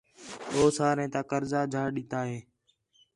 ہو ساریں تا قرضہ چا ݙِتا ہِے